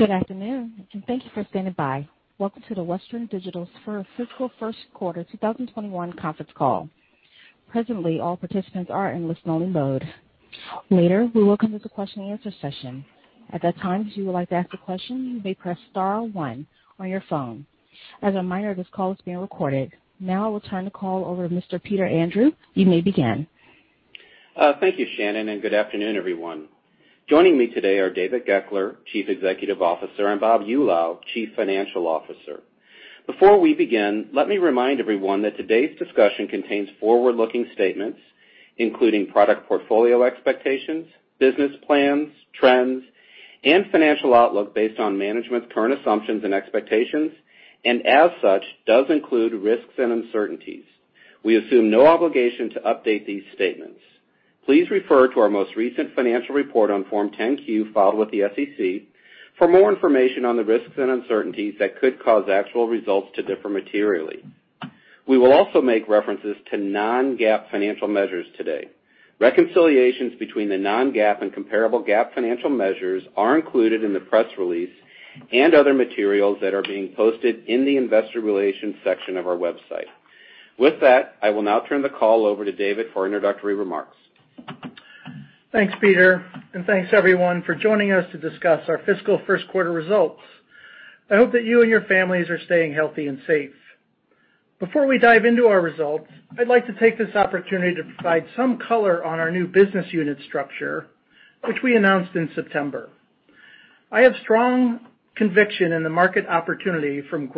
Good afternoon, and thank you for standing by. Welcome to the Western Digital's fiscal first quarter 2021 conference call. Presently, all participants are in listen-only mode. Later, we will come to the question and answer session. At that time, if you would like to ask a question, you may press star one on your phone. As a reminder, this call is being recorded. Now I will turn the call over to Mr. Peter Andrew. You may begin. Thank you, Shannon, and good afternoon, everyone. Joining me today are David Goeckeler, Chief Executive Officer, and Bob Eulau, Chief Financial Officer. Before we begin, let me remind everyone that today's discussion contains forward-looking statements, including product portfolio expectations, business plans, trends, and financial outlook based on management's current assumptions and expectations, and as such, does include risks and uncertainties. We assume no obligation to update these statements. Please refer to our most recent financial report on Form 10-Q filed with the SEC for more information on the risks and uncertainties that could cause actual results to differ materially. We will also make references to non-GAAP financial measures today. Reconciliations between the non-GAAP and comparable GAAP financial measures are included in the press release and other materials that are being posted in the Investor Relations section of our website. With that, I will now turn the call over to David for introductory remarks. Thanks, Peter, and thanks everyone for joining us to discuss our fiscal first quarter results. I hope that you and your families are staying healthy and safe. Before we dive into our results, I'd like to take this opportunity to provide some color on our new business unit structure, which we announced in September. I have strong conviction in the market opportunity from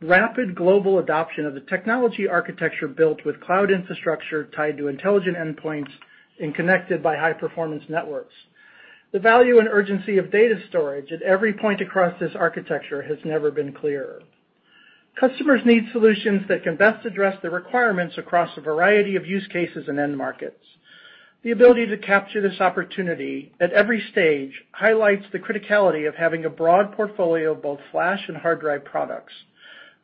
rapid global adoption of the technology architecture built with cloud infrastructure tied to intelligent endpoints and connected by high-performance networks. The value and urgency of data storage at every point across this architecture has never been clearer. Customers need solutions that can best address the requirements across a variety of use cases and end markets. The ability to capture this opportunity at every stage highlights the criticality of having a broad portfolio of both flash and hard drive products.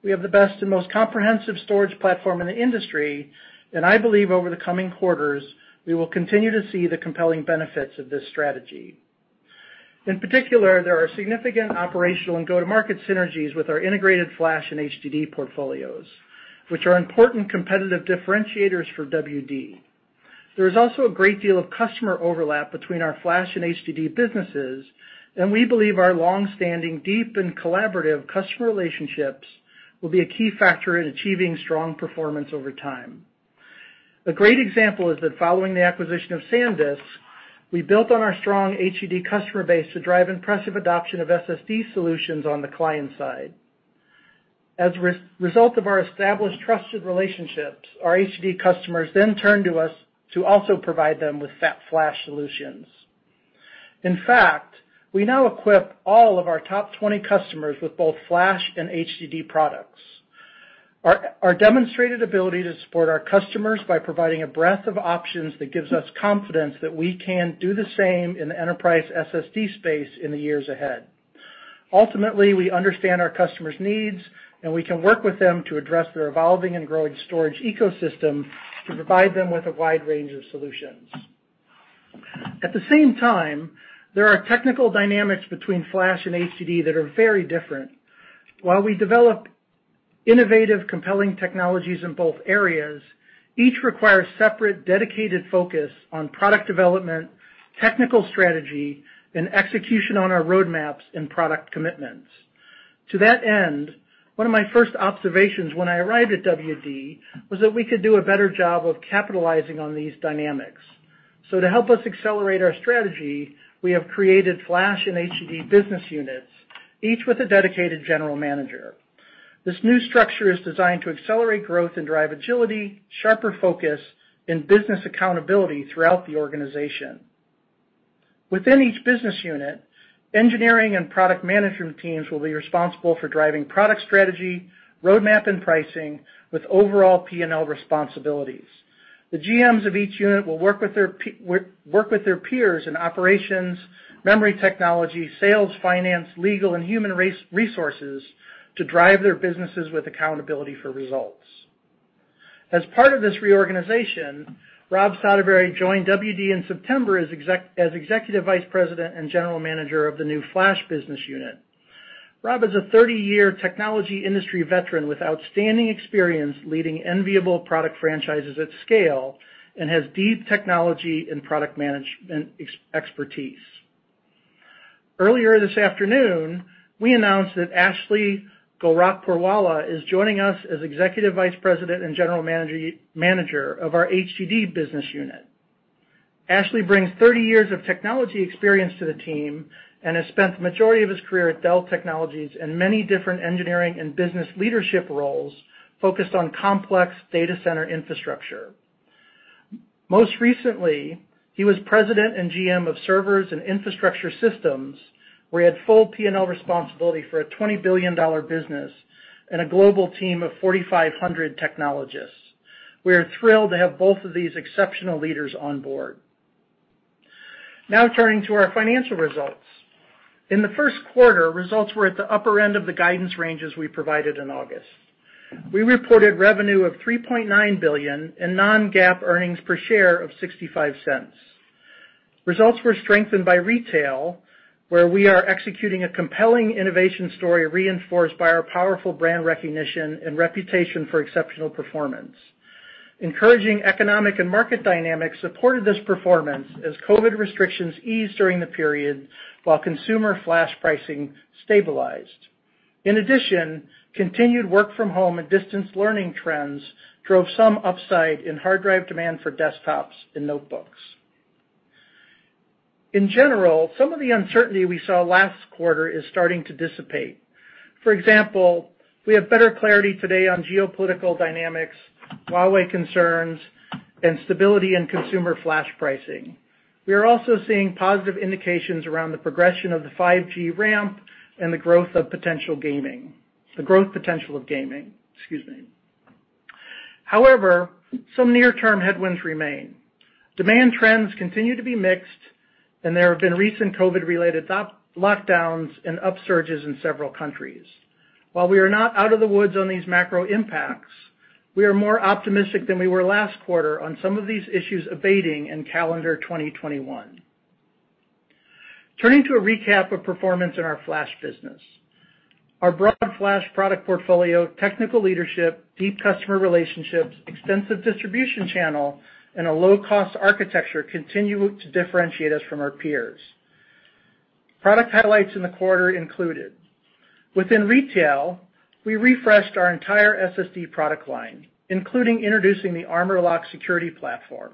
We have the best and most comprehensive storage platform in the industry, and I believe over the coming quarters, we will continue to see the compelling benefits of this strategy. In particular, there are significant operational and go-to-market synergies with our integrated flash and HDD portfolios, which are important competitive differentiators for WD. There is also a great deal of customer overlap between our flash and HDD businesses, and we believe our longstanding, deep, and collaborative customer relationships will be a key factor in achieving strong performance over time. A great example is that following the acquisition of SanDisk, we built on our strong HDD customer base to drive impressive adoption of SSD solutions on the client side. As a result of our established trusted relationships, our HDD customers then turned to us to also provide them with flash solutions. In fact, we now equip all of our top 20 customers with both flash and HDD products. Our demonstrated ability to support our customers by providing a breadth of options that gives us confidence that we can do the same in the enterprise SSD space in the years ahead. We understand our customers' needs, and we can work with them to address their evolving and growing storage ecosystem to provide them with a wide range of solutions. At the same time, there are technical dynamics between flash and HDD that are very different. We develop innovative, compelling technologies in both areas, each requires separate, dedicated focus on product development, technical strategy, and execution on our roadmaps and product commitments. One of my first observations when I arrived at WD was that we could do a better job of capitalizing on these dynamics. To help us accelerate our strategy, we have created Flash and HDD Business Units, each with a dedicated General Manager. This new structure is designed to accelerate growth and drive agility, sharper focus, and business accountability throughout the organization. Within each Business Unit, engineering and product management teams will be responsible for driving product strategy, roadmap, and pricing with overall P&L responsibilities. The GMs of each unit will work with their peers in operations, memory technology, sales, finance, legal, and human resources to drive their businesses with accountability for results. As part of this reorganization, Rob Soderbery joined WD in September as Executive Vice President and General Manager of the new Flash Business Unit. Rob is a 30-year technology industry veteran with outstanding experience leading enviable product franchises at scale and has deep technology and product management expertise. Earlier this afternoon, we announced that Ashley Gorakhpurwalla is joining us as Executive Vice President and General Manager of our HDD business unit. Ashley brings 30 years of technology experience to the team and has spent the majority of his career at Dell Technologies in many different engineering and business leadership roles focused on complex data center infrastructure. Most recently, he was President and GM of servers and infrastructure systems, where he had full P&L responsibility for a $20 billion business and a global team of 4,500 technologists. We are thrilled to have both of these exceptional leaders on board. Turning to our financial results. In the first quarter, results were at the upper end of the guidance ranges we provided in August. We reported revenue of $3.9 billion and non-GAAP earnings per share of $0.65. Results were strengthened by retail, where we are executing a compelling innovation story reinforced by our powerful brand recognition and reputation for exceptional performance. Encouraging economic and market dynamics supported this performance as COVID restrictions eased during the period, while consumer flash pricing stabilized. In addition, continued work-from-home and distance learning trends drove some upside in hard drive demand for desktops and notebooks. In general, some of the uncertainty we saw last quarter is starting to dissipate. For example, we have better clarity today on geopolitical dynamics, Huawei concerns, and stability in consumer flash pricing. We are also seeing positive indications around the progression of the 5G ramp and the growth potential of gaming. Excuse me. However, some near-term headwinds remain. Demand trends continue to be mixed, and there have been recent COVID-related lockdowns and upsurges in several countries. While we are not out of the woods on these macro impacts, we are more optimistic than we were last quarter on some of these issues abating in calendar 2021. Turning to a recap of performance in our flash business. Our broad flash product portfolio, technical leadership, deep customer relationships, extensive distribution channel, and a low-cost architecture continue to differentiate us from our peers. Product highlights in the quarter included: Within retail, we refreshed our entire SSD product line, including introducing the ArmorLock security platform.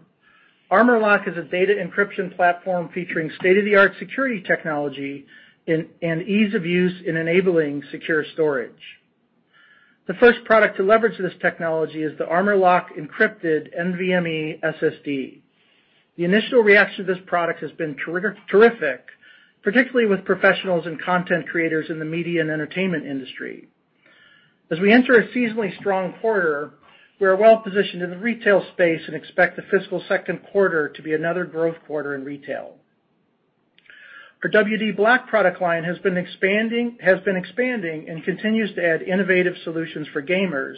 ArmorLock is a data encryption platform featuring state-of-the-art security technology and ease of use in enabling secure storage. The first product to leverage this technology is the ArmorLock encrypted NVMe SSD. The initial reaction to this product has been terrific, particularly with professionals and content creators in the media and entertainment industry. As we enter a seasonally strong quarter, we are well-positioned in the retail space and expect the fiscal second quarter to be another growth quarter in retail. Our WD_BLACK product line has been expanding and continues to add innovative solutions for gamers,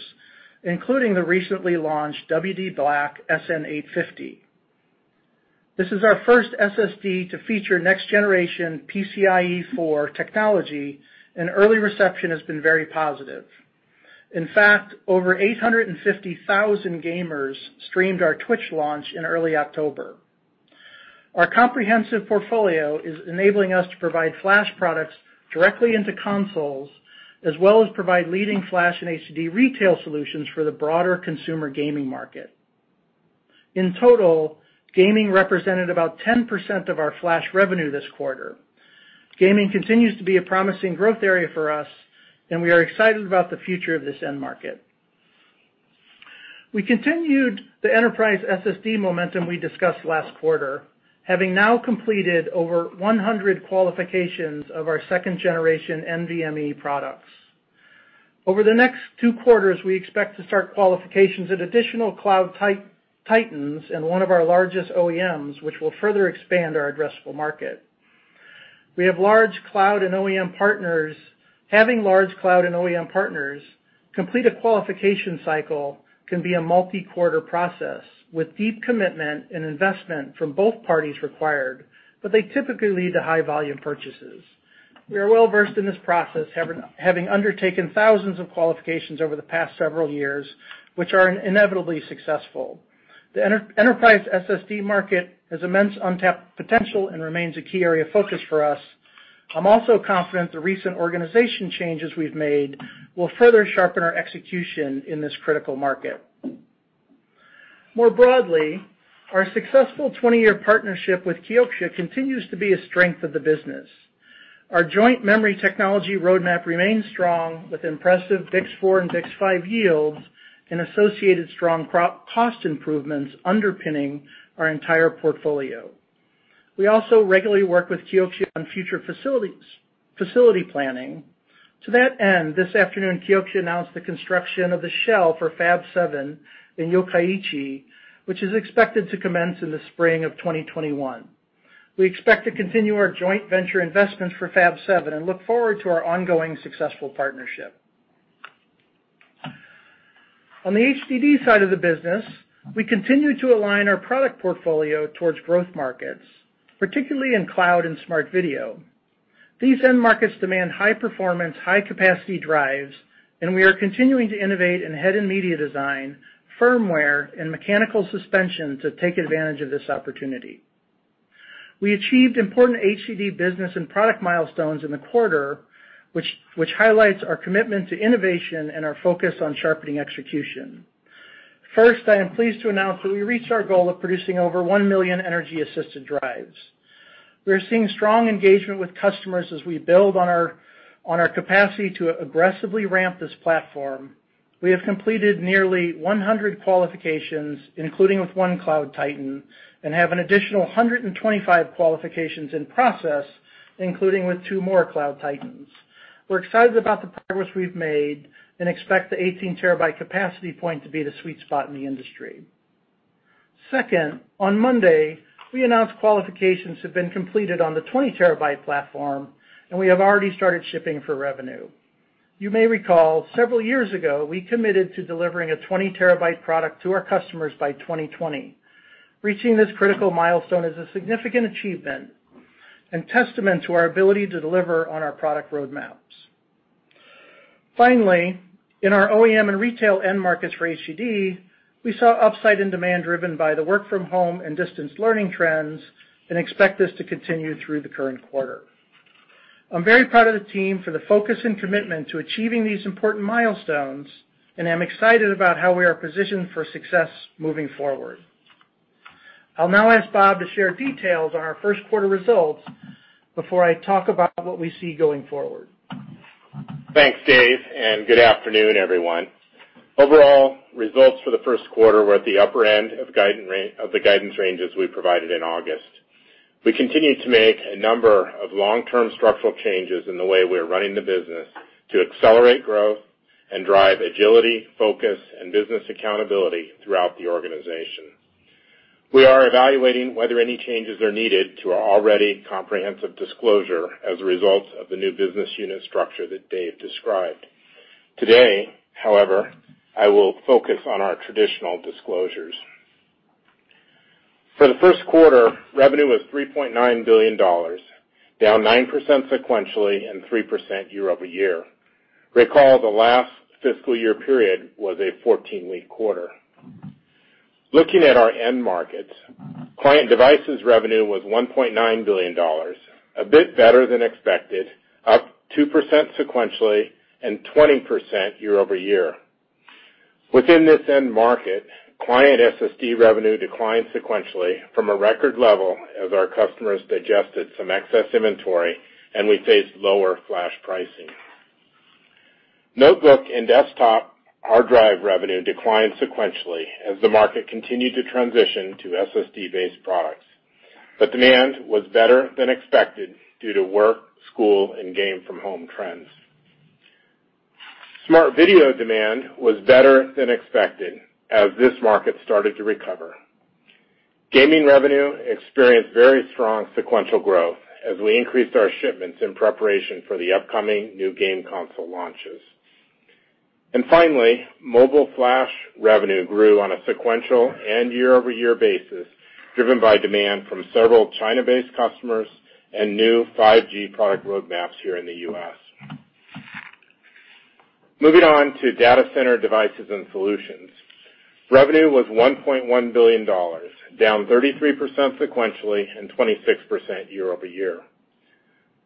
including the recently launched WD_BLACK SN850. This is our first SSD to feature next-generation PCIe 4.0 technology, and early reception has been very positive. In fact, over 850,000 gamers streamed our Twitch launch in early October. Our comprehensive portfolio is enabling us to provide flash products directly into consoles, as well as provide leading flash and HDD retail solutions for the broader consumer gaming market. In total, gaming represented about 10% of our flash revenue this quarter. Gaming continues to be a promising growth area for us, and we are excited about the future of this end market. We continued the enterprise SSD momentum we discussed last quarter, having now completed over 100 qualifications of our second-generation NVMe products. Over the next two quarters, we expect to start qualifications at additional Cloud Titans and one of our largest OEMs, which will further expand our addressable market. Having large cloud and OEM partners complete a qualification cycle can be a multi-quarter process with deep commitment and investment from both parties required, they typically lead to high-volume purchases. We are well-versed in this process, having undertaken thousands of qualifications over the past several years, which are inevitably successful. The enterprise SSD market has immense untapped potential and remains a key area of focus for us. I'm also confident the recent organization changes we've made will further sharpen our execution in this critical market. More broadly, our successful 20-year partnership with Kioxia continues to be a strength of the business. Our joint memory technology roadmap remains strong with impressive BiCS4 and BiCS5 yields and associated strong cost improvements underpinning our entire portfolio. We also regularly work with Kioxia on future facility planning. To that end, this afternoon, Kioxia announced the construction of the shell for Fab 7 in Yokkaichi, which is expected to commence in the spring of 2021. We expect to continue our joint venture investments for Fab 7 and look forward to our ongoing successful partnership. On the HDD side of the business, we continue to align our product portfolio towards growth markets, particularly in cloud and smart video. These end markets demand high-performance, high-capacity drives, and we are continuing to innovate in head and media design, firmware, and mechanical suspension to take advantage of this opportunity. We achieved important HDD business and product milestones in the quarter, which highlights our commitment to innovation and our focus on sharpening execution. First, I am pleased to announce that we reached our goal of producing over one million energy-assisted drives. We are seeing strong engagement with customers as we build on our capacity to aggressively ramp this platform. We have completed nearly 100 qualifications, including with one Cloud Titan, and have an additional 125 qualifications in process, including with two more Cloud Titans. We're excited about the progress we've made and expect the 18TB capacity point to be the sweet spot in the industry. Second, on Monday, we announced qualifications have been completed on the 20TB platform, and we have already started shipping for revenue. You may recall several years ago, we committed to delivering a 20TB product to our customers by 2020. Reaching this critical milestone is a significant achievement and testament to our ability to deliver on our product roadmaps. Finally, in our OEM and retail end markets for HDD, we saw upside in demand driven by the work-from-home and distance learning trends, and expect this to continue through the current quarter. I'm very proud of the team for the focus and commitment to achieving these important milestones, and I'm excited about how we are positioned for success moving forward. I'll now ask Bob to share details on our first quarter results before I talk about what we see going forward. Thanks, Dave, and good afternoon, everyone. Overall, results for the first quarter were at the upper end of the guidance ranges we provided in August. We continue to make a number of long-term structural changes in the way we are running the business to accelerate growth and drive agility, focus, and business accountability throughout the organization. We are evaluating whether any changes are needed to our already comprehensive disclosure as a result of the new business unit structure that Dave described. Today, however, I will focus on our traditional disclosures. For the first quarter, revenue was $3.9 billion, down 9% sequentially and 3% year-over-year. Recall the last fiscal year period was a 14-week quarter. Looking at our end markets, client devices revenue was $1.9 billion, a bit better than expected, up 2% sequentially and 20% year-over-year. Within this end market, client SSD revenue declined sequentially from a record level as our customers digested some excess inventory and we faced lower flash pricing. Notebook and desktop hard drive revenue declined sequentially as the market continued to transition to SSD-based products. Demand was better than expected due to work, school, and game from home trends. Smart video demand was better than expected as this market started to recover. Gaming revenue experienced very strong sequential growth as we increased our shipments in preparation for the upcoming new game console launches. Finally, mobile flash revenue grew on a sequential and year-over-year basis, driven by demand from several China-based customers and new 5G product roadmaps here in the U.S. Moving on to Data Center Devices and Solutions. Revenue was $1.1 billion, down 33% sequentially and 26% year-over-year.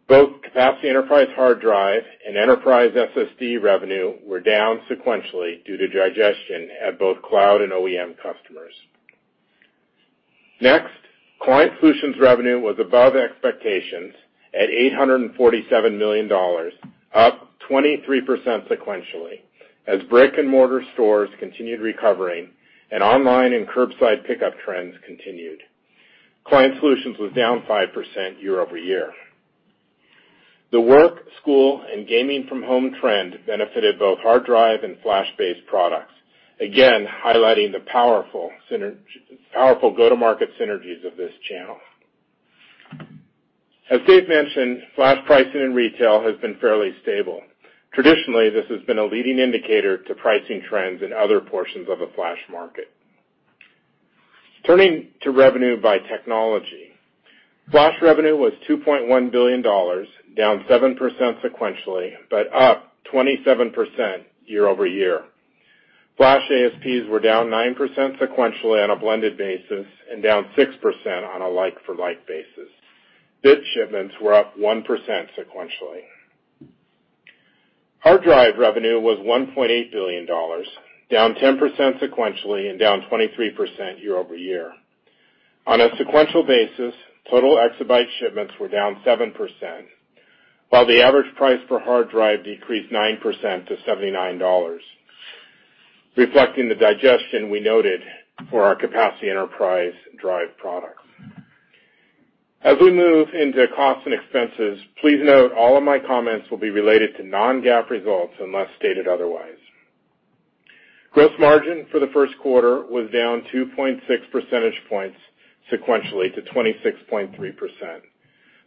Both capacity enterprise hard drive and enterprise SSD revenue were down sequentially due to digestion at both cloud and OEM customers. Next, Client solutions revenue was above expectations at $847 million, up 23% sequentially. As brick-and-mortar stores continued recovering and online and curbside pickup trends continued. Client solutions was down 5% year-over-year. The work, school, and gaming-from-home trend benefited both hard drive and flash-based products, again highlighting the powerful go-to-market synergies of this channel. As Dave mentioned, flash pricing in retail has been fairly stable. Traditionally, this has been a leading indicator to pricing trends in other portions of the flash market. Turning to revenue by technology. Flash revenue was $2.1 billion, down 7% sequentially, but up 27% year-over-year. Flash ASPs were down 9% sequentially on a blended basis and down 6% on a like-for-like basis. Bit shipments were up 1% sequentially. HDD revenue was $1.8 billion, down 10% sequentially and down 23% year-over-year. On a sequential basis, total exabyte shipments were down 7%, while the average price per HDD decreased 9% to $79, reflecting the digestion we noted for our capacity enterprise drive products. As we move into costs and expenses, please note all of my comments will be related to non-GAAP results unless stated otherwise. Gross margin for Q1 was down 2.6 percentage points sequentially to 26.3%,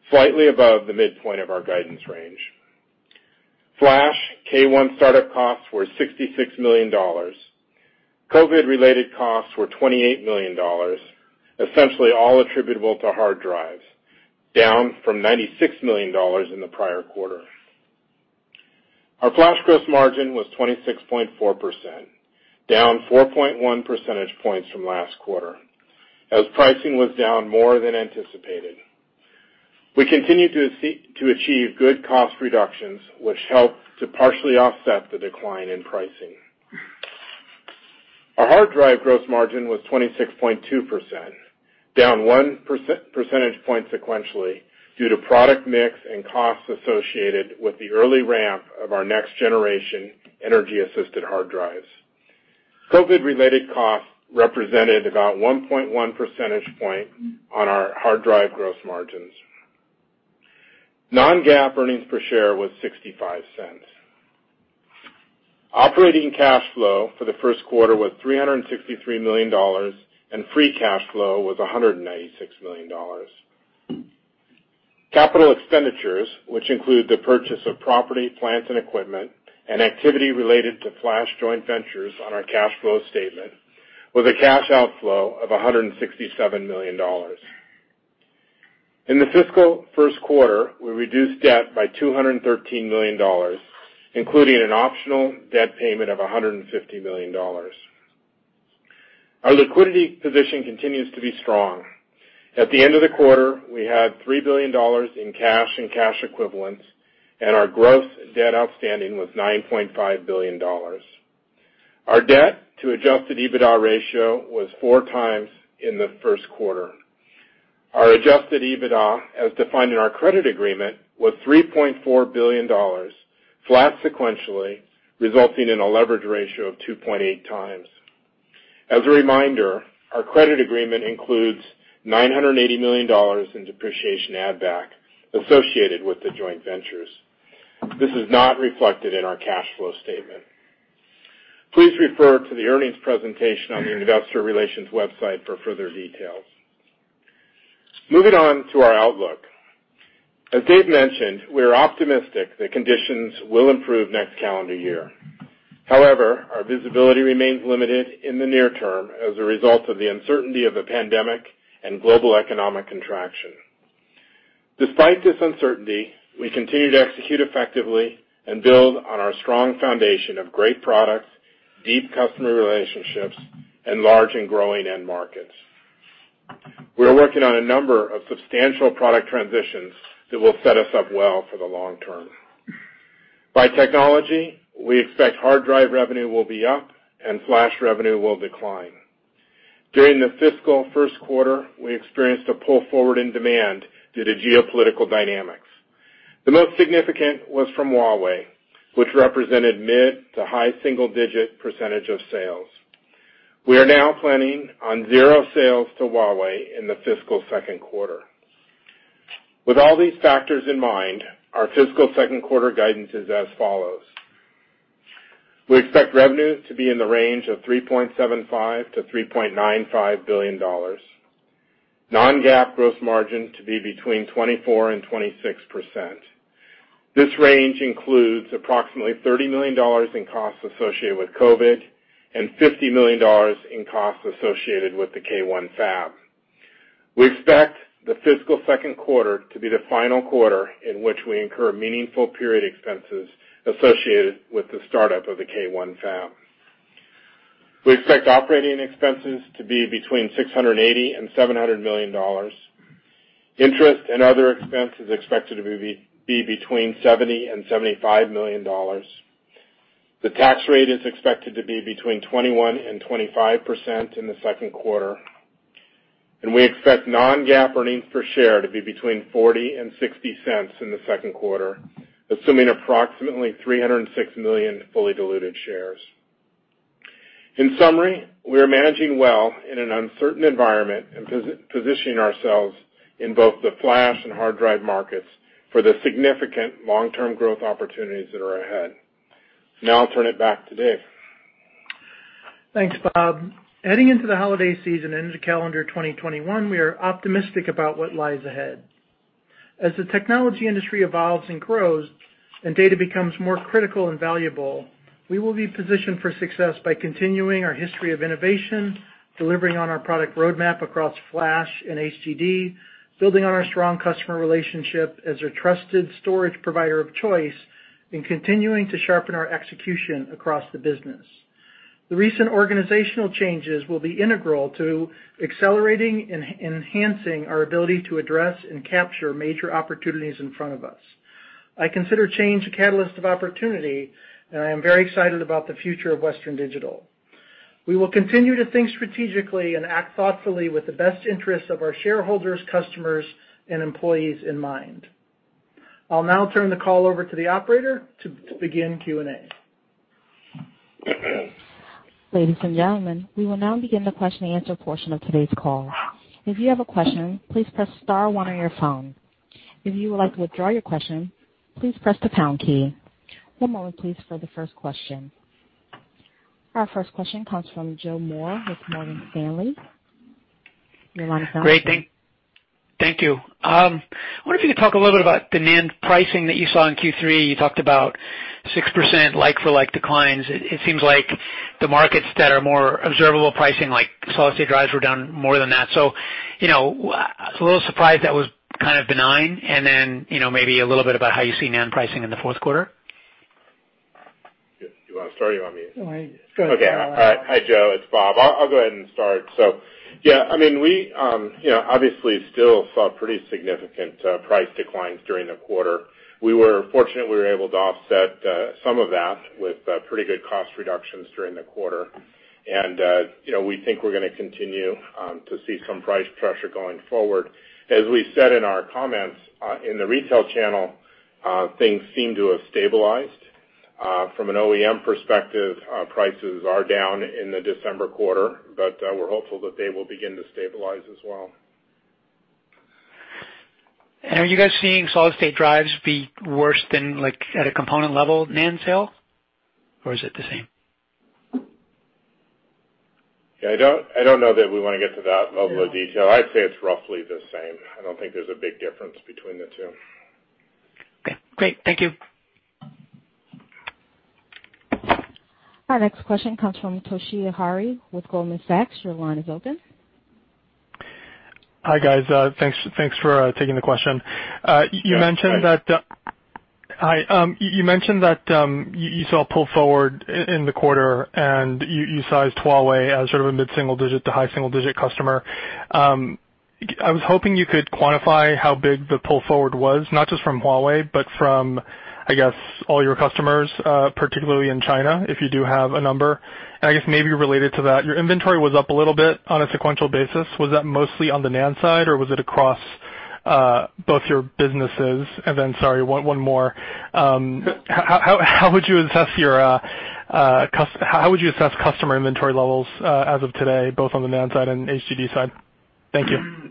slightly above the midpoint of our guidance range. Flash K1 startup costs were $66 million. COVID-related costs were $28 million, essentially all attributable to HDDs, down from $96 million in the prior quarter. Our flash gross margin was 26.4%, down 4.1 percentage points from last quarter, as pricing was down more than anticipated. We continued to achieve good cost reductions, which helped to partially offset the decline in pricing. Our hard drive gross margin was 26.2%, down one percentage point sequentially due to product mix and costs associated with the early ramp of our next generation energy-assisted hard drives. COVID-related costs represented about 1.1 percentage point on our hard drive gross margins. non-GAAP earnings per share was $0.65. Operating cash flow for the first quarter was $363 million, and free cash flow was $196 million. CapEx, which include the purchase of property, plants, and equipment, and activity related to flash joint ventures on our cash flow statement, was a cash outflow of $167 million. In the fiscal first quarter, we reduced debt by $213 million, including an optional debt payment of $150 million. Our liquidity position continues to be strong. At the end of the quarter, we had $3 billion in cash and cash equivalents, and our gross debt outstanding was $9.5 billion. Our debt to adjusted EBITDA ratio was four times in the first quarter. Our adjusted EBITDA, as defined in our credit agreement, was $3.4 billion, flat sequentially, resulting in a leverage ratio of 2.8x. As a reminder, our credit agreement includes $980 million in depreciation add back associated with the joint ventures. This is not reflected in our cash flow statement. Please refer to the earnings presentation on the investor relations website for further details. Moving on to our outlook. As Dave mentioned, we are optimistic that conditions will improve next calendar year. However, our visibility remains limited in the near term as a result of the uncertainty of the pandemic and global economic contraction. Despite this uncertainty, we continue to execute effectively and build on our strong foundation of great products, deep customer relationships, and large and growing end markets. We are working on a number of substantial product transitions that will set us up well for the long term. By technology, we expect hard drive revenue will be up and flash revenue will decline. During the fiscal first quarter, we experienced a pull forward in demand due to geopolitical dynamics. The most significant was from Huawei, which represented mid to high single-digit percentage of sales. We are now planning on zero sales to Huawei in the fiscal second quarter. With all these factors in mind, our fiscal second quarter guidance is as follows. We expect revenue to be in the range of $3.75 billion-$3.95 billion. Non-GAAP gross margin to be between 24% and 26%. This range includes approximately $30 million in costs associated with COVID and $50 million in costs associated with the K1 fab. We expect the fiscal second quarter to be the final quarter in which we incur meaningful period expenses associated with the startup of the K1 fab. We expect operating expenses to be between $680 million and $700 million. Interest and other expenses expected to be between $70 million and $75 million. The tax rate is expected to be between 21% and 25% in the second quarter. We expect non-GAAP earnings per share to be between $0.40 and $0.60 in the second quarter, assuming approximately 306 million fully diluted shares. In summary, we are managing well in an uncertain environment and positioning ourselves in both the flash and hard drive markets for the significant long-term growth opportunities that are ahead. Now I'll turn it back to Dave. Thanks, Bob. Heading into the holiday season and into calendar 2021, we are optimistic about what lies ahead. As the technology industry evolves and grows and data becomes more critical and valuable, we will be positioned for success by continuing our history of innovation, delivering on our product roadmap across flash and HDD, building on our strong customer relationship as their trusted storage provider of choice, and continuing to sharpen our execution across the business. The recent organizational changes will be integral to accelerating and enhancing our ability to address and capture major opportunities in front of us. I consider change a catalyst of opportunity, and I am very excited about the future of Western Digital. We will continue to think strategically and act thoughtfully with the best interests of our shareholders, customers, and employees in mind. I'll now turn the call over to the operator to begin Q&A. Ladies and gentlemen, we will now begin the question and answer portion of today's call. Our first question comes from Joe Moore with Morgan Stanley. Great. Thank you. I wonder if you could talk a little bit about the NAND pricing that you saw in Q3. You talked about 6% like-for-like declines. It seems like the markets that are more observable pricing, like solid-state drives, were down more than that. I was a little surprised that was kind of benign, and then maybe a little bit about how you see NAND pricing in the fourth quarter? You want to start, or you want me? Go ahead, Bob. Okay. Hi, Joe. It's Bob. I'll go ahead and start. Yeah, we obviously still saw pretty significant price declines during the quarter. We were fortunate we were able to offset some of that with pretty good cost reductions during the quarter. We think we're going to continue to see some price pressure going forward. As we said in our comments, in the retail channel, things seem to have stabilized. From an OEM perspective, prices are down in the December quarter, we're hopeful that they will begin to stabilize as well. Are you guys seeing solid-state drives be worse than at a component level NAND sale, or is it the same? Yeah, I don't know that we want to get to that level of detail. I'd say it's roughly the same. I don't think there's a big difference between the two. Okay, great. Thank you. Our next question comes from Toshiya Hari with Goldman Sachs. Your line is open. Hi, guys. Thanks for taking the question. Yeah. Hi. Hi. You mentioned that you saw a pull forward in the quarter, and you sized Huawei as sort of a mid-single digit to high single-digit customer. I was hoping you could quantify how big the pull forward was, not just from Huawei, but from, I guess, all your customers, particularly in China, if you do have a number. I guess maybe related to that, your inventory was up a little bit on a sequential basis. Was that mostly on the NAND side, or was it across both your businesses? Then, sorry, one more. How would you assess customer inventory levels as of today, both on the NAND side and HDD side? Thank you.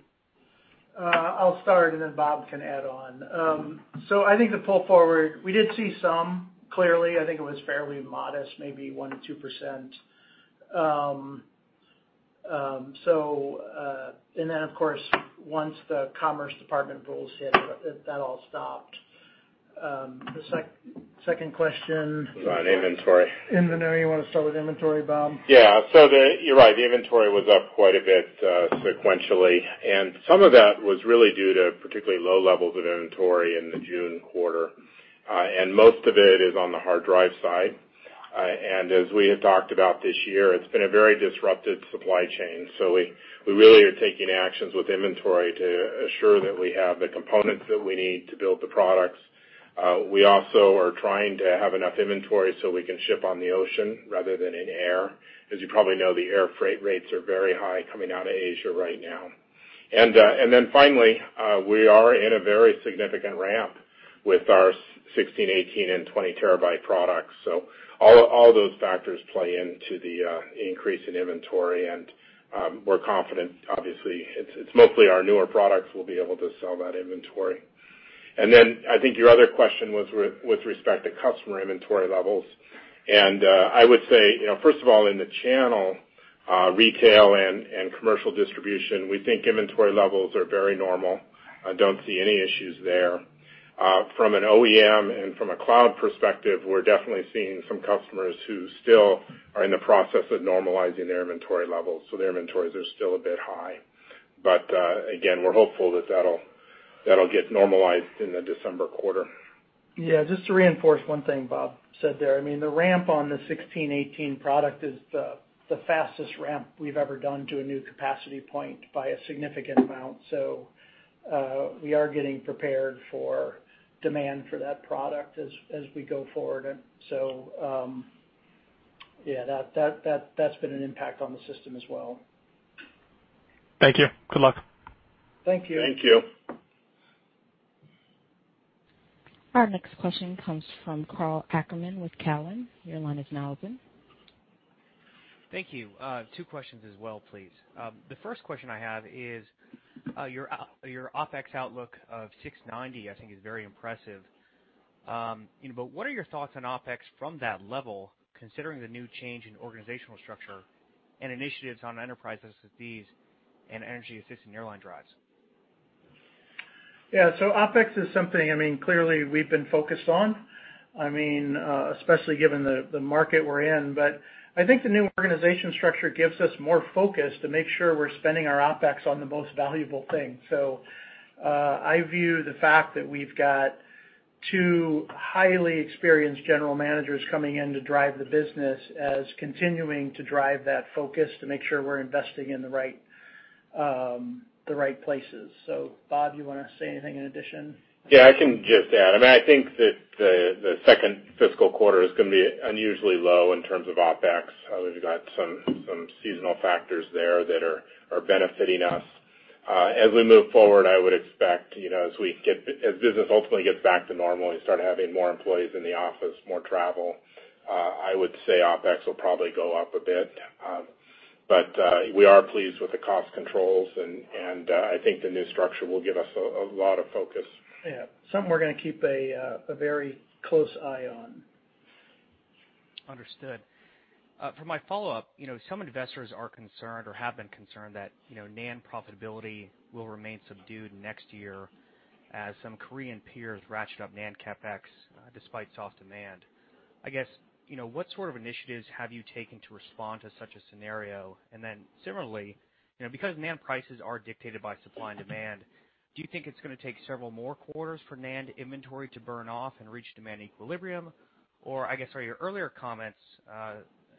I'll start, and then Bob can add on. I think the pull forward, we did see some, clearly. I think it was fairly modest, maybe 1% to 2%. Of course, once the Commerce Department rules hit, that all stopped. The second question. Was on inventory. inventory. You want to start with inventory, Bob? Yeah. You're right. The inventory was up quite a bit sequentially. Some of that was really due to particularly low levels of inventory in the June quarter. Most of it is on the hard drive side. As we had talked about this year, it's been a very disrupted supply chain. We really are taking actions with inventory to assure that we have the components that we need to build the products. We also are trying to have enough inventory so we can ship on the ocean rather than in air. As you probably know, the air freight rates are very high coming out of Asia right now. Finally, we are in a very significant ramp with our 16, 18, and 20 terabyte products. All those factors play into the increase in inventory, and we're confident, obviously, it's mostly our newer products we'll be able to sell that inventory. I think your other question was with respect to customer inventory levels. I would say, first of all, in the channel, retail and commercial distribution, we think inventory levels are very normal. I don't see any issues there. From an OEM and from a cloud perspective, we're definitely seeing some customers who still are in the process of normalizing their inventory levels. Their inventories are still a bit high. Again, we're hopeful that that'll get normalized in the December quarter. Yeah, just to reinforce one thing Bob said there. The ramp on the 16/18 product is the fastest ramp we've ever done to a new capacity point by a significant amount. We are getting prepared for demand for that product as we go forward. Yeah, that's been an impact on the system as well. Thank you. Good luck. Thank you. Thank you. Our next question comes from Karl Ackerman with Cowen. Your line is now open. Thank you. Two questions as well, please. The first question I have is, your OpEx outlook of $690 I think is very impressive. What are your thoughts on OpEx from that level, considering the new change in organizational structure and initiatives on enterprise SSDs and energy-assisted nearline drives? OpEx is something clearly we've been focused on, especially given the market we're in. I think the new organization structure gives us more focus to make sure we're spending our OpEx on the most valuable thing. I view the fact that we've got two highly experienced general managers coming in to drive the business as continuing to drive that focus to make sure we're investing in the right places. Bob, you want to say anything in addition? Yeah, I can just add. I think that the second fiscal quarter is going to be unusually low in terms of OpEx. We've got some seasonal factors there that are benefiting us. As we move forward, I would expect as business ultimately gets back to normal and you start having more employees in the office, more travel, I would say OpEx will probably go up a bit. We are pleased with the cost controls, and I think the new structure will give us a lot of focus. Yeah. Something we're going to keep a very close eye on. Understood. For my follow-up, some investors are concerned or have been concerned that NAND profitability will remain subdued next year as some Korean peers ratchet up NAND CapEx despite soft demand. I guess, what sort of initiatives have you taken to respond to such a scenario? Similarly, because NAND prices are dictated by supply and demand, do you think it's going to take several more quarters for NAND inventory to burn off and reach demand equilibrium? Or I guess, are your earlier comments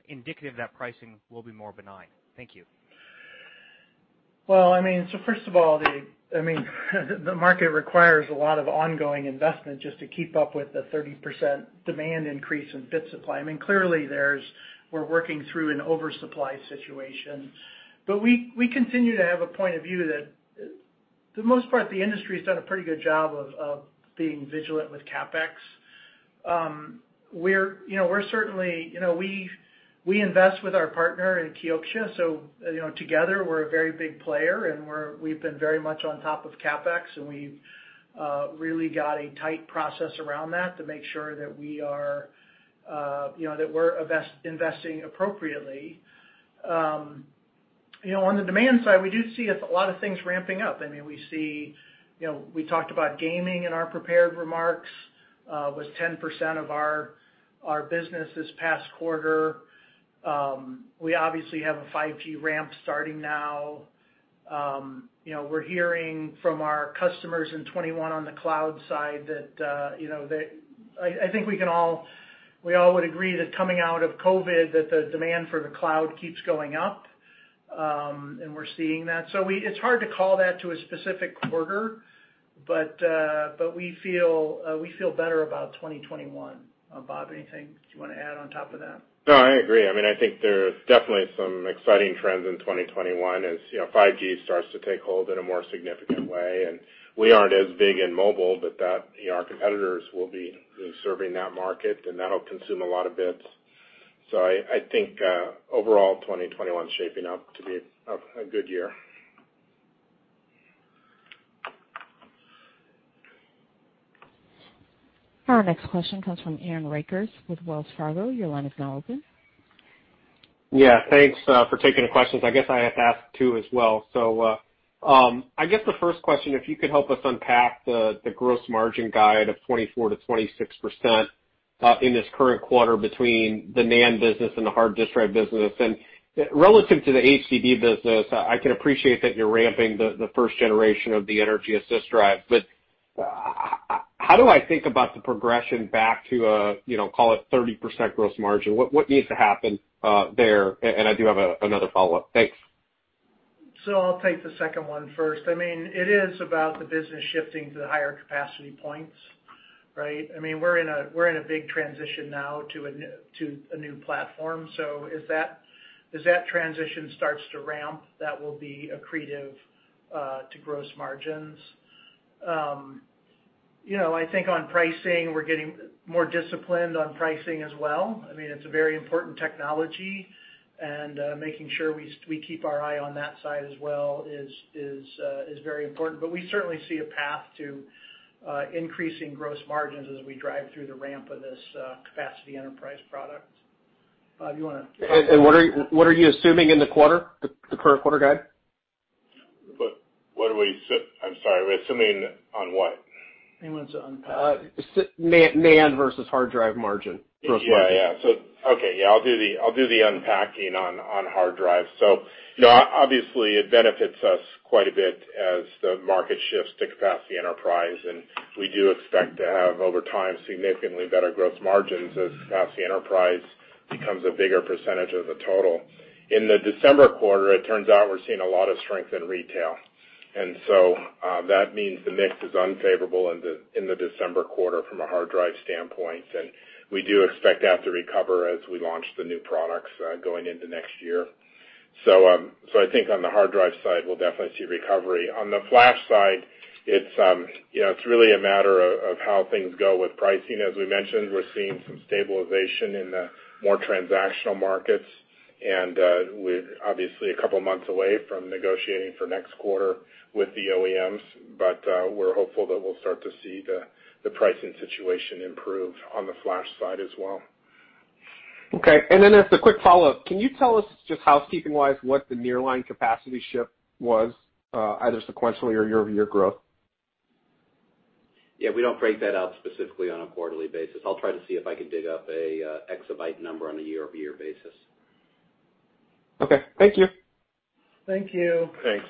indicative that pricing will be more benign? Thank you. First of all, the market requires a lot of ongoing investment just to keep up with the 30% demand increase in bit supply. Clearly, we're working through an oversupply situation. We continue to have a point of view that for the most part, the industry's done a pretty good job of being vigilant with CapEx. We invest with our partner in Kioxia, so together we're a very big player, and we've been very much on top of CapEx, and we've really got a tight process around that to make sure that we're investing appropriately. On the demand side, we do see a lot of things ramping up. We talked about gaming in our prepared remarks, was 10% of our business this past quarter. We obviously have a 5G ramp starting now. We're hearing from our customers in 2021 on the cloud side that I think we all would agree that coming out of COVID, that the demand for the cloud keeps going up. We're seeing that. It's hard to call that to a specific quarter, but we feel better about 2021. Bob, anything that you want to add on top of that? No, I agree. I think there's definitely some exciting trends in 2021 as 5G starts to take hold in a more significant way. We aren't as big in mobile, but our competitors will be serving that market, and that'll consume a lot of bits. I think, overall, 2021's shaping up to be a good year. Our next question comes from Aaron Rakers with Wells Fargo. Your line is now open. Yeah, thanks for taking the questions. I guess I have to ask two as well. I guess the first question, if you could help us unpack the gross margin guide of 24%-26% in this current quarter between the NAND business and the hard disk drive business. Relative to the HDD business, I can appreciate that you're ramping the first generation of the energy assist drive, but how do I think about the progression back to, call it, 30% gross margin? What needs to happen there? I do have another follow-up. Thanks. I'll take the second one first. It is about the business shifting to the higher capacity points, right? We're in a big transition now to a new platform. As that transition starts to ramp, that will be accretive to gross margins. I think on pricing, we're getting more disciplined on pricing as well. It's a very important technology, and making sure we keep our eye on that side as well is very important. We certainly see a path to increasing gross margins as we drive through the ramp of this capacity enterprise product. Bob, you want to? What are you assuming in the quarter, the current quarter guide? I'm sorry, we're assuming on what? Anyone wants to unpack? NAND versus hard drive margin, gross margin. Yeah. Okay. Yeah, I'll do the unpacking on hard drive. Obviously, it benefits us quite a bit as the market shifts to capacity enterprise, and we do expect to have, over time, significantly better gross margins as capacity enterprise becomes a bigger percentage of the total. In the December quarter, it turns out we're seeing a lot of strength in retail. That means the mix is unfavorable in the December quarter from a hard drive standpoint, and we do expect that to recover as we launch the new products going into next year. I think on the hard drive side, we'll definitely see recovery. On the flash side, it's really a matter of how things go with pricing. As we mentioned, we're seeing some stabilization in the more transactional markets, and we're obviously a couple of months away from negotiating for next quarter with the OEMs. We're hopeful that we'll start to see the pricing situation improve on the flash side as well. Okay. As the quick follow-up, can you tell us just housekeeping-wise, what the nearline capacity ship was, either sequentially or year-over-year growth? Yeah, we don't break that out specifically on a quarterly basis. I'll try to see if I can dig up an exabyte number on a year-over-year basis. Okay. Thank you. Thank you. Thanks.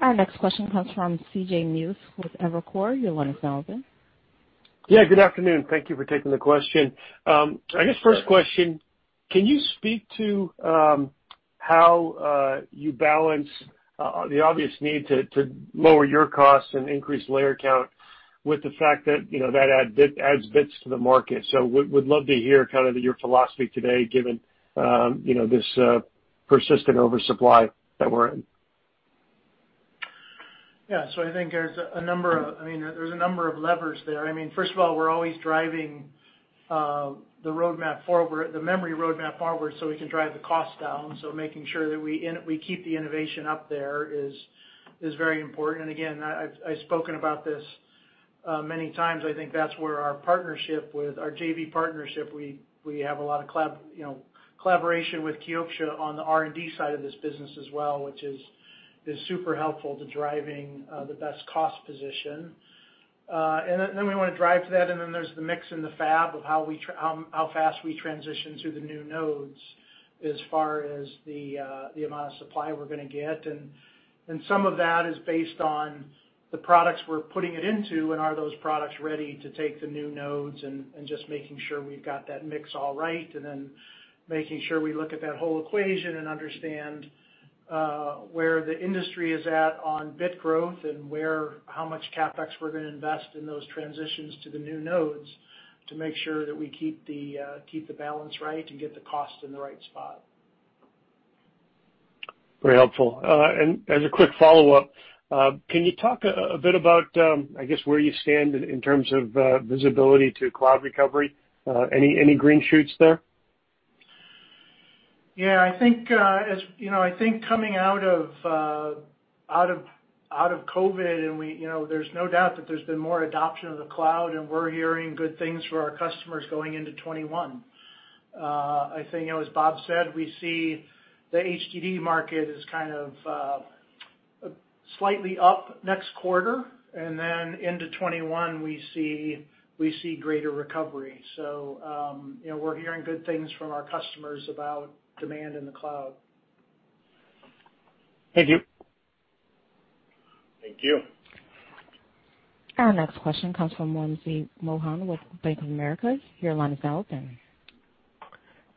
Our next question comes from C.J. Muse with Evercore. Your line is now open. Good afternoon. Thank you for taking the question. I guess first question, can you speak to how you balance the obvious need to lower your costs and increase layer count with the fact that adds bits to the market? Would love to hear kind of your philosophy today given this persistent oversupply that we're in. I think there's a number of levers there. First of all, we're always driving the memory roadmap forward so we can drive the cost down. Making sure that we keep the innovation up there is very important. Again, I've spoken about this many times. I think that's where our JV partnership, we have a lot of collaboration with Kioxia on the R&D side of this business as well, which is super helpful to driving the best cost position. We want to drive to that, and then there's the mix in the fab of how fast we transition to the new nodes as far as the amount of supply we're going to get. Some of that is based on the products we're putting it into, and are those products ready to take the new nodes, and just making sure we've got that mix all right. Then making sure we look at that whole equation and understand where the industry is at on bit growth and how much CapEx we're going to invest in those transitions to the new nodes to make sure that we keep the balance right and get the cost in the right spot. Very helpful. As a quick follow-up, can you talk a bit about where you stand in terms of visibility to cloud recovery? Any green shoots there? Yeah. I think coming out of COVID, there's no doubt that there's been more adoption of the cloud, and we're hearing good things from our customers going into 2021. I think, as Bob said, we see the HDD market is kind of slightly up next quarter, and then into 2021, we see greater recovery. We're hearing good things from our customers about demand in the cloud. Thank you. Thank you. Our next question comes from Wamsi Mohan with Bank of America. Your line is now open.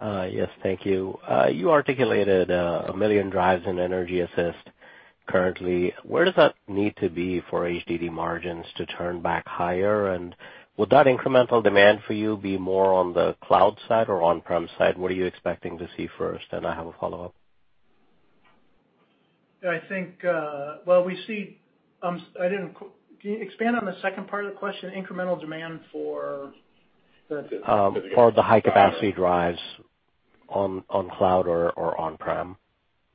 Yes. Thank you. You articulated one million drives in Energy Assist currently. Where does that need to be for HDD margins to turn back higher? Would that incremental demand for you be more on the cloud side or on-prem side? What are you expecting to see first? I have a follow-up. Can you expand on the second part of the question, incremental demand for? For the high-capacity drives on cloud or on-prem.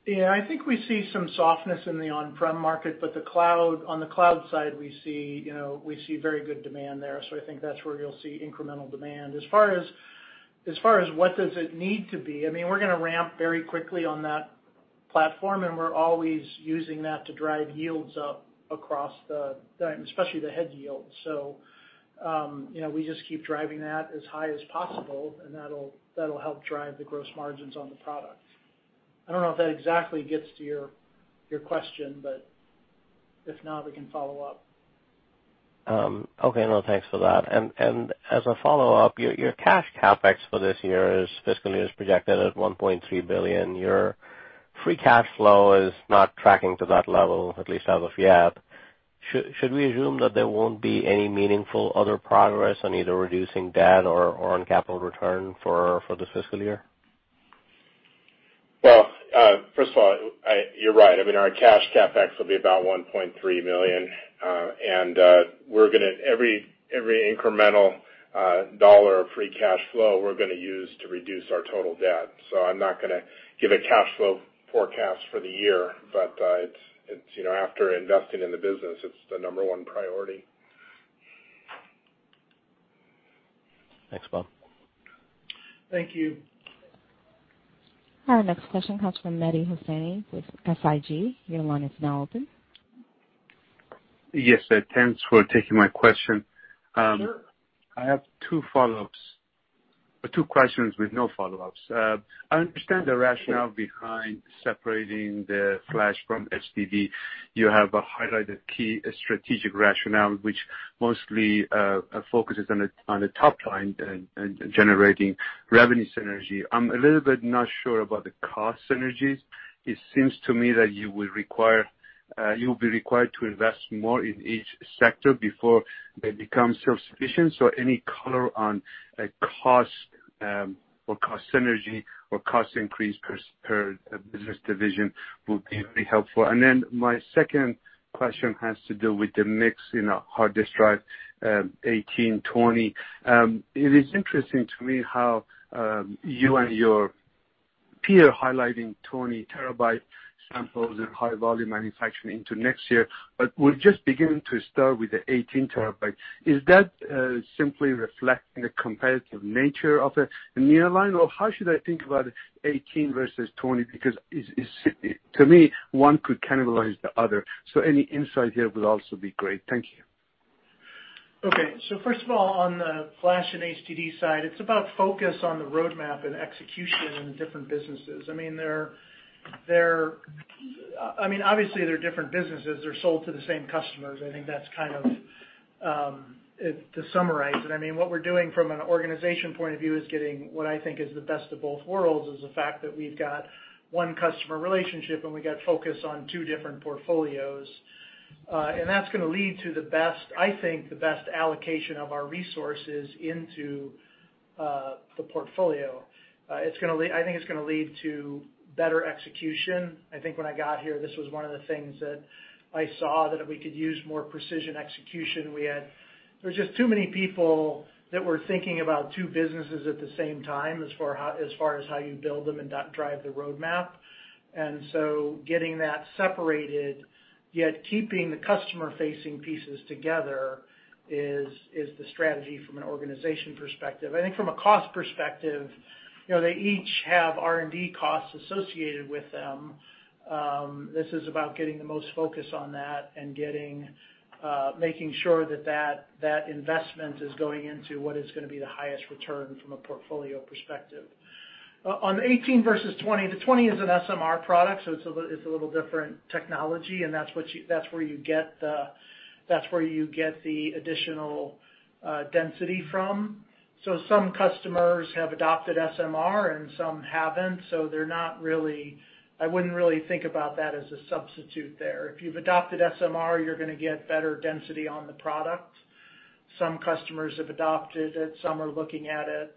Yeah, I think we see some softness in the on-prem market. On the cloud side, we see very good demand there. I think that's where you'll see incremental demand. As far as what does it need to be, we're going to ramp very quickly on that platform, and we're always using that to drive yields up across, especially the head yields. We just keep driving that as high as possible, and that'll help drive the gross margins on the product. I don't know if that exactly gets to your question, but if not, we can follow up. Okay. No, thanks for that. As a follow-up, your cash CapEx for this year fiscally is projected at $1.3 billion. Your free cash flow is not tracking to that level, at least as of yet. Should we assume that there won't be any meaningful other progress on either reducing debt or on capital return for this fiscal year? First of all, you're right. Our cash CapEx will be about $1.3 million. Every incremental dollar of free cash flow, we're going to use to reduce our total debt. I'm not going to give a cash flow forecast for the year. After investing in the business, it's the number one priority. Thanks, Bob. Thank you. Our next question comes from Mehdi Hosseini with SIG. Your line is now open. Yes. Thanks for taking my question. Sure. I have two follow-ups, or two questions with no follow-ups. I understand the rationale behind separating the Flash from HDD. You have highlighted key strategic rationale, which mostly focuses on the top line and generating revenue synergy. I'm a little bit not sure about the cost synergies. It seems to me that you'll be required to invest more in each sector before they become self-sufficient. Any color on cost or cost synergy or cost increase per business division will be very helpful. My second question has to do with the mix in a hard disk drive 18/20. It is interesting to me how you and your peer highlighting 20TB samples and high volume manufacturing into next year, but we're just beginning to start with the 18TB. Is that simply reflecting the competitive nature of the nearline, or how should I think about 18 versus 20? Because to me, one could cannibalize the other. Any insight here would also be great. Thank you. First of all, on the flash and HDD side, it's about focus on the roadmap and execution in different businesses. Obviously, they're different businesses. They're sold to the same customers. I think that's kind of to summarize it. What we're doing from an organization point of view is getting what I think is the best of both worlds, is the fact that we've got one customer relationship, and we got focus on two different portfolios. That's going to lead to the best, I think the best allocation of our resources into the portfolio. I think it's going to lead to better execution. I think when I got here, this was one of the things that I saw that we could use more precision execution. There were just too many people that were thinking about two businesses at the same time as far as how you build them and drive the roadmap. Getting that separated, yet keeping the customer-facing pieces together is the strategy from an organization perspective. I think from a cost perspective, they each have R&D costs associated with them. This is about getting the most focus on that and making sure that that investment is going into what is going to be the highest return from a portfolio perspective. On 18 versus 20, the 20 is an SMR product, so it's a little different technology, and that's where you get the additional density from. Some customers have adopted SMR, and some haven't. I wouldn't really think about that as a substitute there. If you've adopted SMR, you're going to get better density on the product. Some customers have adopted it, some are looking at it.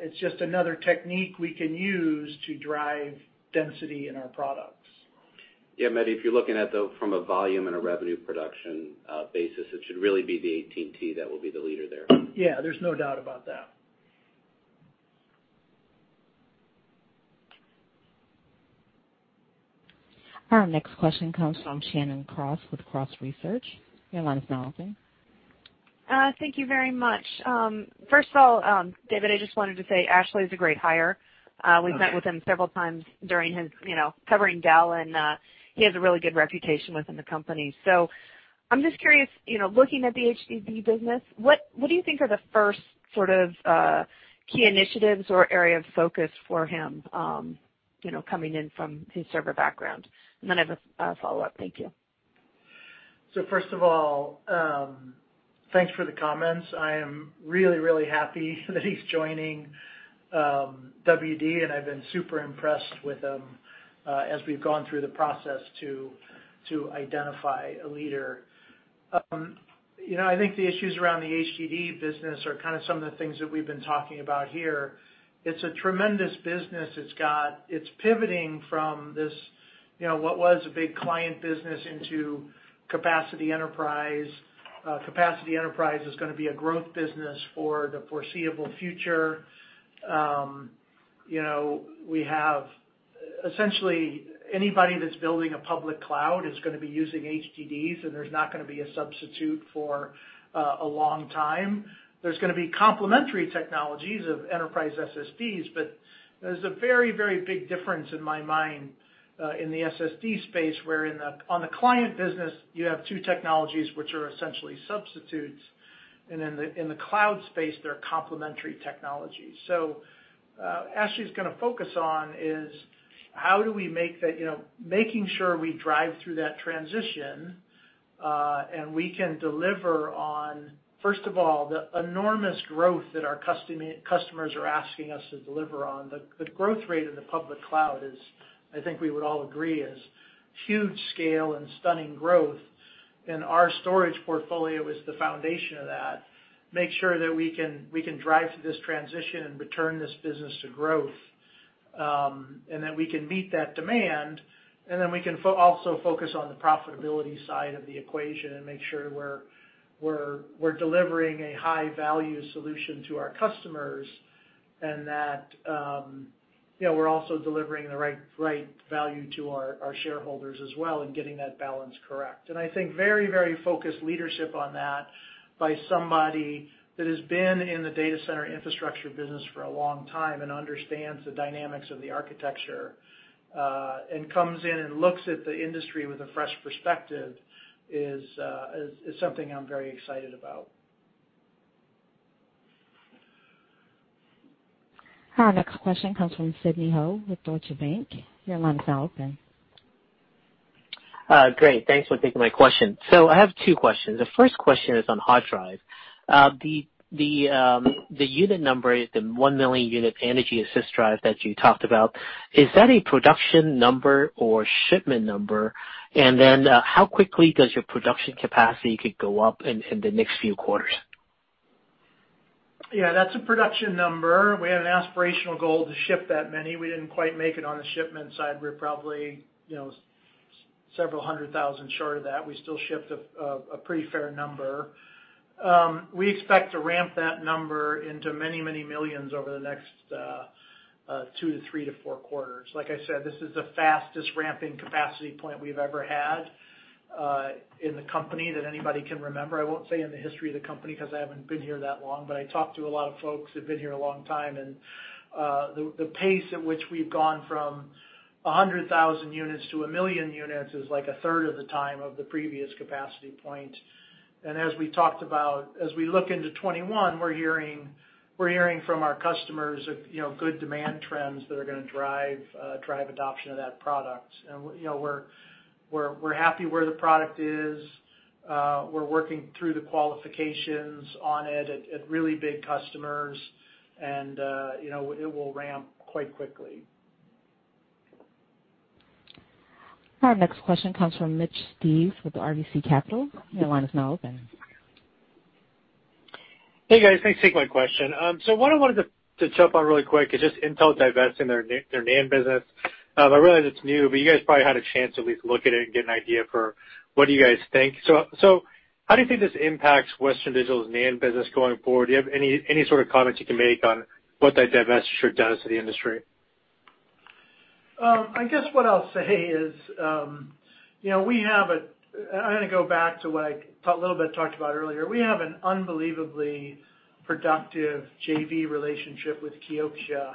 It's just another technique we can use to drive density in our products. Yeah, Mehdi, if you're looking at, though, from a volume and a revenue production basis, it should really be the 18TB that will be the leader there. Yeah, there's no doubt about that. Our next question comes from Shannon Cross with Cross Research. Your line is now open. Thank you very much. First of all, David, I just wanted to say Ashley is a great hire. Okay. We've met with him several times during his covering Dell, and he has a really good reputation within the company. I'm just curious, looking at the HDD business, what do you think are the first sort of key initiatives or area of focus for him, coming in from his server background? I have a follow-up. Thank you. First of all, thanks for the comments. I am really happy that he's joining WD, and I've been super impressed with him as we've gone through the process to identify a leader. I think the issues around the HDD business are kind of some of the things that we've been talking about here. It's a tremendous business. It's pivoting from this, what was a big client business, into capacity enterprise. Capacity enterprise is going to be a growth business for the foreseeable future. Essentially, anybody that's building a public cloud is going to be using HDDs, and there's not going to be a substitute for a long time. There's going to be complementary technologies of enterprise SSDs, but there's a very big difference in my mind in the SSD space, where on the client business, you have two technologies which are essentially substitutes, and in the cloud space, they're complementary technologies. Ashley's going to focus on is making sure we drive through that transition, and we can deliver on, first of all, the enormous growth that our customers are asking us to deliver on. The growth rate in the public cloud is, I think we would all agree, is huge scale and stunning growth, and our storage portfolio is the foundation of that. Make sure that we can drive through this transition and return this business to growth, and that we can meet that demand. We can also focus on the profitability side of the equation and make sure we're delivering a high-value solution to our customers, and that we're also delivering the right value to our shareholders as well and getting that balance correct. I think very focused leadership on that by somebody that has been in the data center infrastructure business for a long time and understands the dynamics of the architecture, and comes in and looks at the industry with a fresh perspective is something I'm very excited about. Our next question comes from Sidney Ho with Deutsche Bank. Your line is now open. Great. Thanks for taking my question. I have two questions. The first question is on hard drive. The unit number, the one million unit energy assist drive that you talked about, is that a production number or shipment number? How quickly does your production capacity could go up in the next few quarters? Yeah, that's a production number. We had an aspirational goal to ship that many. We didn't quite make it on the shipment side. We're probably several hundred thousand short of that. We still shipped a pretty fair number. We expect to ramp that number into many millions over the next two to three to four quarters. Like I said, this is the fastest ramping capacity point we've ever had in the company that anybody can remember. I won't say in the history of the company because I haven't been here that long, but I talked to a lot of folks who've been here a long time, and the pace at which we've gone from 100,000 units to 1 million units is like a third of the time of the previous capacity point. As we talked about, as we look into 2021, we're hearing from our customers of good demand trends that are going to drive adoption of that product. We're happy where the product is. We're working through the qualifications on it at really big customers. It will ramp quite quickly. Our next question comes from Mitch Steves with RBC Capital. Your line is now open. Hey, guys. Thanks for taking my question. What I wanted to jump on really quick is just Intel divesting their NAND business. I realize it's new, but you guys probably had a chance to at least look at it and get an idea for what you guys think. How do you think this impacts Western Digital's NAND business going forward? Do you have any sort of comments you can make on what that divesture does to the industry? I guess what I'll say is, I'm going to go back to what I a little bit talked about earlier. We have an unbelievably productive JV relationship with Kioxia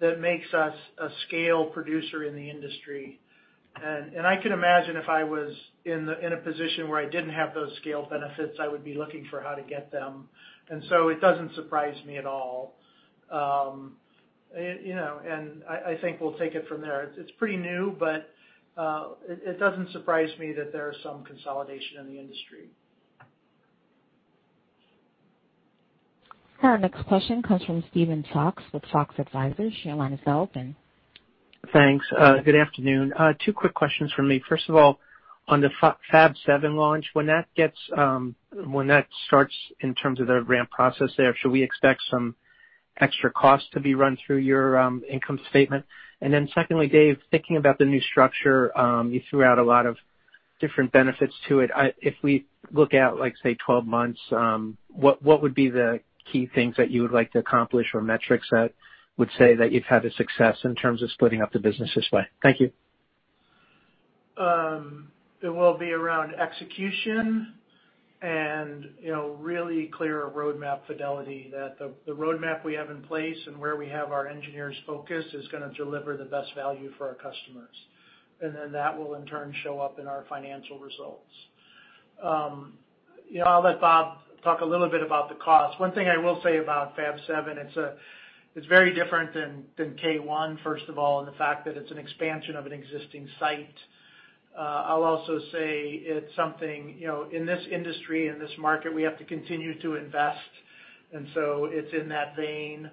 that makes us a scale producer in the industry. I can imagine if I was in a position where I didn't have those scale benefits, I would be looking for how to get them. It doesn't surprise me at all. I think we'll take it from there. It's pretty new, but it doesn't surprise me that there is some consolidation in the industry. Our next question comes from Steven Fox with Fox Advisors. Your line is open. Thanks. Good afternoon. Two quick questions from me. On the Fab 7 launch, when that starts in terms of the ramp process there, should we expect some extra costs to be run through your income statement? Secondly, Dave, thinking about the new structure, you threw out a lot of different benefits to it. If we look at, say, 12 months, what would be the key things that you would like to accomplish or metrics that would say that you've had a success in terms of splitting up the business this way? Thank you. It will be around execution and really clear roadmap fidelity that the roadmap we have in place and where we have our engineers focused is going to deliver the best value for our customers. That will in turn show up in our financial results. I'll let Bob talk a little bit about the cost. One thing I will say about Fab 7, it's very different than K1, first of all, in the fact that it's an expansion of an existing site. I'll also say it's something, in this industry, in this market, we have to continue to invest, and so it's in that vein.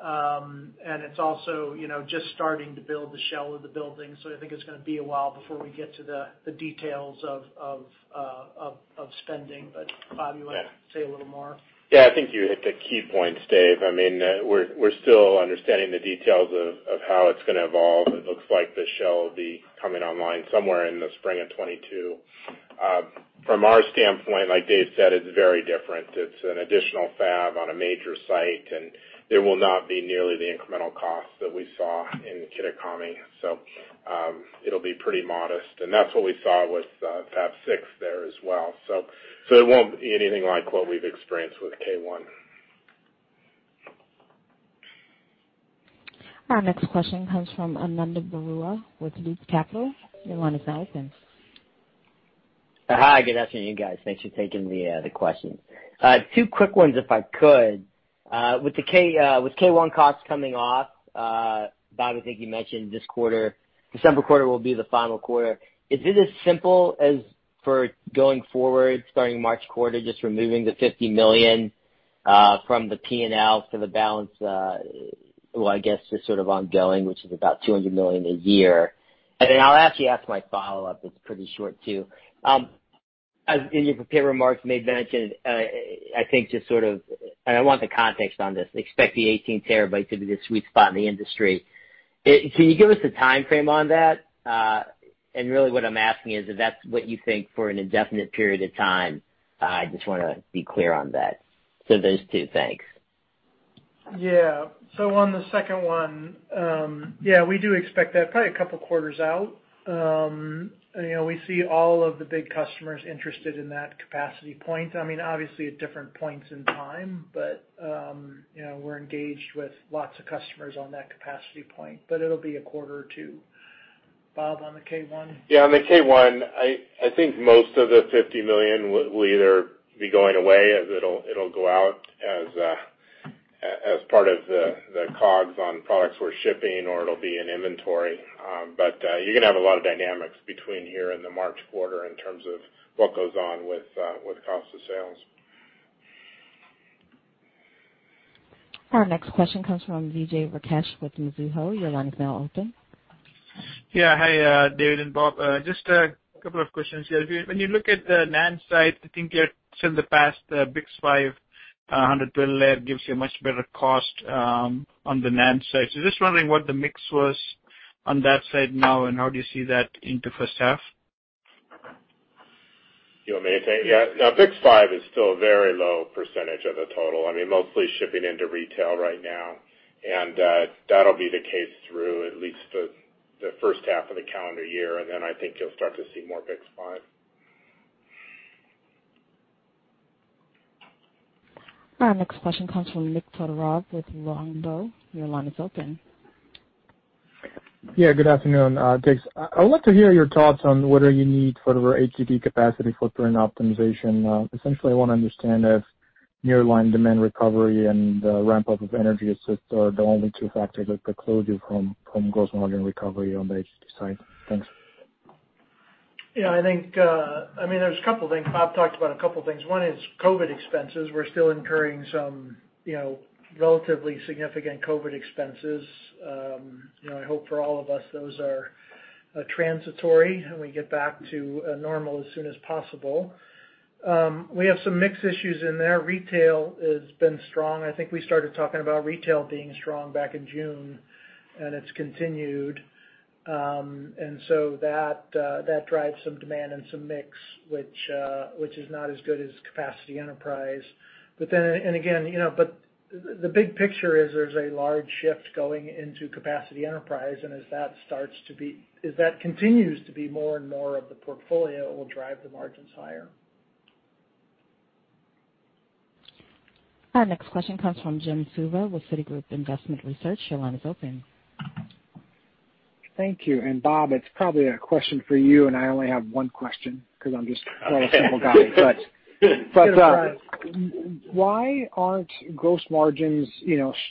It's also just starting to build the shell of the building. I think it's going to be a while before we get to the details of spending. Bob, you want to say a little more? I think you hit the key points, Dave. We're still understanding the details of how it's going to evolve. It looks like the shell will be coming online somewhere in the spring of 2022. From our standpoint, like Dave said, it's very different. It's an additional fab on a major site, and there will not be nearly the incremental cost that we saw in Kitakami. It'll be pretty modest, and that's what we saw with Fab 6 there as well. It won't be anything like what we've experienced with K1. Our next question comes from Ananda Baruah with Loop Capital. Your line is now open. Hi, good afternoon, guys. Thanks for taking the question. Two quick ones, if I could. With K1 costs coming off, Bob, I think you mentioned this quarter, December quarter will be the final quarter. Is it as simple as for going forward, starting March quarter, just removing the $50 million from the P&L to the balance, well, I guess just sort of ongoing, which is about $200 million a year? Then I'll actually ask my follow-up, it's pretty short, too. In your prepared remarks, you made mention, I think just sort of, and I want the context on this, expect the 18TB to be the sweet spot in the industry. Can you give us a timeframe on that? Really what I'm asking is if that's what you think for an indefinite period of time. I just want to be clear on that. Those two. Thanks. On the second one, we do expect that probably a couple of quarters out. We see all of the big customers interested in that capacity point. Obviously at different points in time, we're engaged with lots of customers on that capacity point. It'll be a quarter or two. Bob, on the K1? Yeah, on the K1, I think most of the $50 million will either be going away as it'll go out as part of the COGS on products we're shipping, or it'll be in inventory. You're going to have a lot of dynamics between here and the March quarter in terms of what goes on with cost of sales. Our next question comes from Vijay Rakesh with Mizuho. Your line is now open. Yeah. Hi, David and Bob. Just a couple of questions here. When you look at the NAND side, I think it's in the past, the BiCS5 112 layer gives you a much better cost on the NAND side. Just wondering what the mix was on that side now, and how do you see that into first half? You want me to take it? Yeah. Yeah, BiCS5 is still a very low percentage of the total. Mostly shipping into retail right now. That'll be the case through at least the first half of the calendar year, and then I think you'll start to see more BiCS5. Our next question comes from Nick Todorov with Longbow. Your line is open. Yeah, good afternoon. Dave, I would like to hear your thoughts on whether you need further HDD capacity footprint optimization. Essentially, I want to understand if nearline demand recovery and ramp up of energy assist are the only two factors that preclude you from gross margin recovery on the HDD side. Thanks. Yeah. There's a couple things. Bob talked about a couple things. One is COVID expenses. We're still incurring some relatively significant COVID expenses. I hope for all of us, those are transitory, and we get back to normal as soon as possible. We have some mix issues in there. Retail has been strong. I think we started talking about retail being strong back in June, and it's continued. That drives some demand and some mix, which is not as good as capacity enterprise. The big picture is there's a large shift going into capacity enterprise, and as that continues to be more and more of the portfolio, it will drive the margins higher. Our next question comes from Jim Suva with Citigroup Investment Research. Your line is open. Thank you. Bob, it's probably a question for you, and I only have one question because I'm just a simple guy. Why aren't gross margins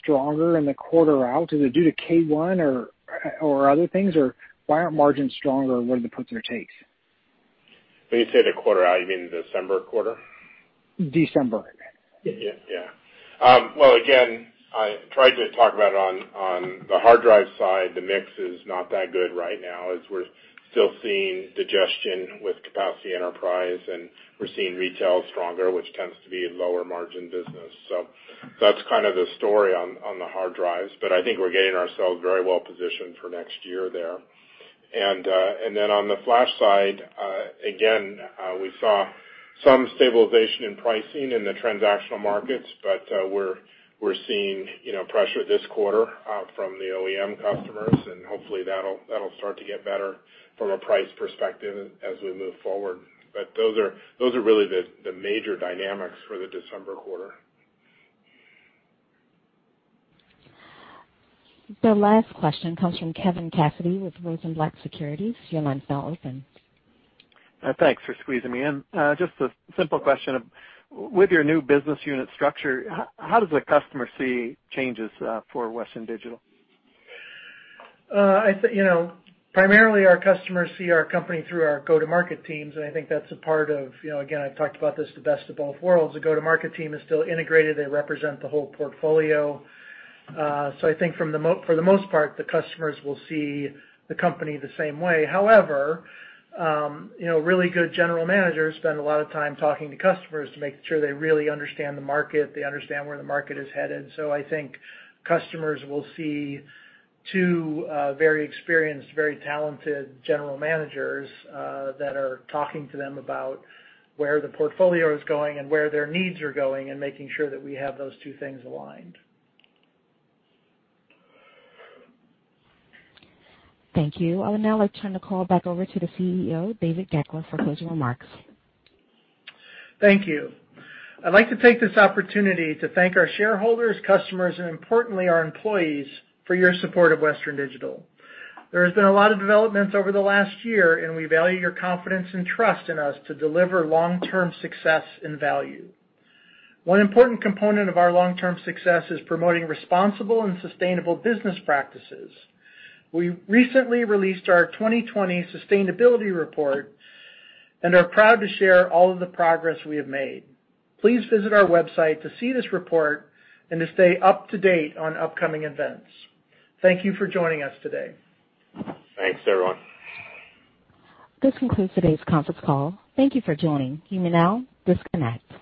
stronger in the quarter out? Is it due to K1 or other things, or why aren't margins stronger? What are the puts or takes? When you say the quarter out, you mean the December quarter? December. Well, again, I tried to talk about it on the hard drive side, the mix is not that good right now as we're still seeing digestion with capacity enterprise, and we're seeing retail stronger, which tends to be a lower margin business. That's kind of the story on the hard drives. I think we're getting ourselves very well positioned for next year there. Then on the flash side, again, we saw some stabilization in pricing in the transactional markets, but we're seeing pressure this quarter from the OEM customers, and hopefully that'll start to get better from a price perspective as we move forward. Those are really the major dynamics for the December quarter. The last question comes from Kevin Cassidy with Rosenblatt Securities. Your line's now open. Thanks for squeezing me in. Just a simple question of, with your new business unit structure, how does the customer see changes for Western Digital? Primarily, our customers see our company through our go-to-market teams, and I think that's a part of, again, I've talked about this, the best of both worlds. The go-to-market team is still integrated. They represent the whole portfolio. I think for the most part, the customers will see the company the same way. However, really good general managers spend a lot of time talking to customers to make sure they really understand the market, they understand where the market is headed. I think customers will see two very experienced, very talented general managers that are talking to them about where the portfolio is going and where their needs are going, and making sure that we have those two things aligned. Thank you. I would now like to turn the call back over to the CEO, David Goeckeler, for closing remarks. Thank you. I'd like to take this opportunity to thank our shareholders, customers, and importantly, our employees for your support of Western Digital. There has been a lot of developments over the last year, and we value your confidence and trust in us to deliver long-term success and value. One important component of our long-term success is promoting responsible and sustainable business practices. We recently released our 2020 sustainability report and are proud to share all of the progress we have made. Please visit our website to see this report and to stay up to date on upcoming events. Thank you for joining us today. Thanks, everyone. This concludes today's conference call. Thank you for joining. You may now disconnect.